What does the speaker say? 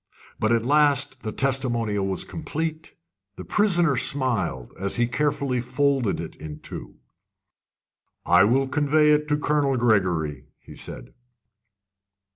But at last the "testimonial" was complete. The prisoner smiled as he carefully folded it in two. "I will convey it to Colonel Gregory," he said.